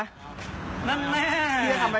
ดูคลิปกันก่อนนะครับแล้วเดี๋ยวมาเล่าให้ฟังนะครับ